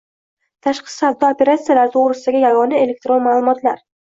Tashqi savdo operatsiyalari to'g'risidagi yagona elektron ma'lumotlar